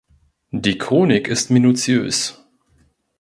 Die Chronik ist minutiös.